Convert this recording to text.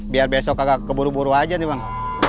biar besok agak keburu buru aja nih bang